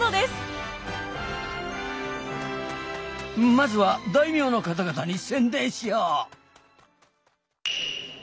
まずは大名の方々に宣伝しよう。